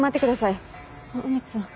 梅津さん。